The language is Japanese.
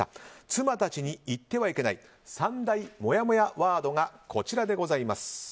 妻たちに言ってはいけない３大もやもやワードがこちらでございます。